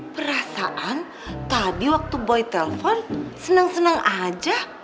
perasaan tadi waktu boy telfon seneng seneng aja